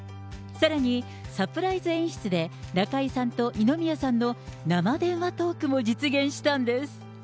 さらにサプライズ演出で、中居さんと二宮さんの生電話トークも実現したんです。